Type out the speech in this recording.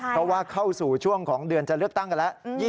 เพราะว่าเข้าสู่ช่วงของเดือนจะเลือกตั้งกันแล้ว